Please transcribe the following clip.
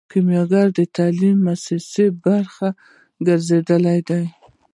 کیمیاګر د تعلیمي موسسو برخه ګرځیدلی دی.